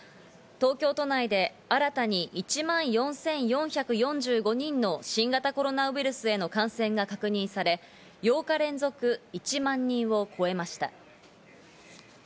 東京都内で新たに１万４４４５人の新型コロナウイルスへの感染が確認され、８日連続１万人を超えました。